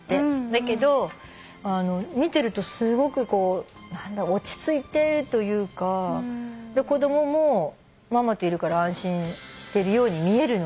だけど見てるとすごく落ち着いてるというか子供もママといるから安心してるように見えるので。